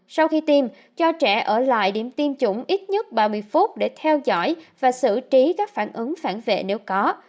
sau khi tiêm cho trẻ ở lại điểm tiêm chủng ít nhất ba mươi phút để theo dõi và xử trí các phản ứng phản vệ nếu có